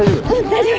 大丈夫？